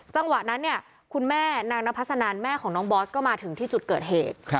จังหวะนั้นเนี่ยคุณแม่นางนพัสนันแม่ของน้องบอสก็มาถึงที่จุดเกิดเหตุ